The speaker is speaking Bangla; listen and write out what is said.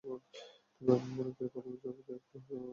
তবে আমি মনে করি, প্রধান বিচারপতি একটা হতাশা থেকে কথাটা বলেছেন।